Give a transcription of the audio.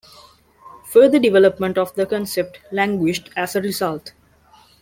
Further development of the concept languished as a result.